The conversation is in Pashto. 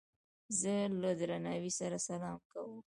زه له درناوي سره سلام کوم.